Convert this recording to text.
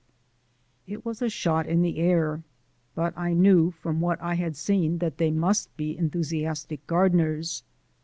It was a shot in the air but I knew from what I had seen that they must be enthusiastic gardeners.